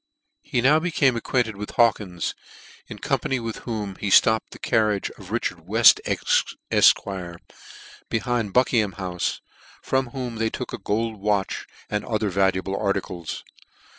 He now became acquainted with Hawkins, in company with whom he flopped the carriage of Richard Weil, Efq. behind Buckingham houfe, from 2S8 NEW NEWGATE CALENDAR. from whom they took a gold watch, and othef valuable articles.